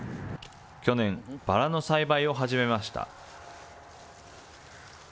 去年、バラの栽培を始めました。